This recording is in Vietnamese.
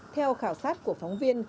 theo khảo sát của phóng viên